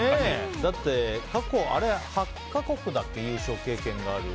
だって過去、８か国だっけ優勝経験がある。